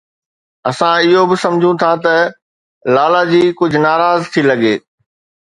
اسان اهو به سمجهون ٿا ته لالاجي ڪجهه ناراض ٿي لڳي